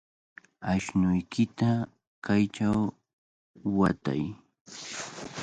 Ashnuykita kaychaw watay.